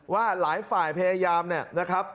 ว่าหลายฝ่ายพยายามนะครับ